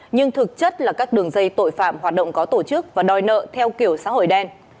nhưng thực chất là các đường dây tội phạm hoạt động có tổ chức và đòi nợ theo kiểu xã hội đen